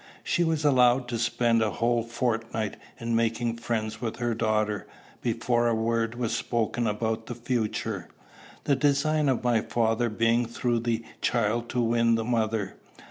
She was allowed to spend a whole fortnight in making friends with her daughter, before a word was spoken about the future; the design of my father being through the child to win the mother.